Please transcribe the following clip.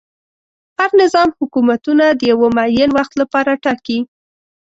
هر نظام حکومتونه د یوه معین وخت لپاره ټاکي.